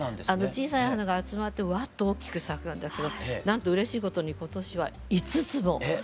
小さい花が集まってわっと大きく咲くんだけどなんとうれしいことに今年は５つも咲いてくれて。